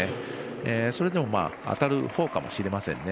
それでも当たるほうかもしれませんね